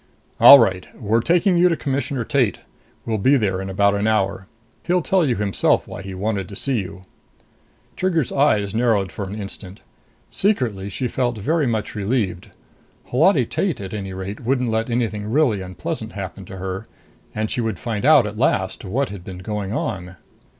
"All right. We're taking you to Commissioner Tate. We'll be there in about an hour. He'll tell you himself why he wanted to see you." Trigger's eyes narrowed for an instant. Secretly she felt very much relieved. Holati Tate, at any rate, wouldn't let anything really unpleasant happen to her and she would find out at last what had been going on.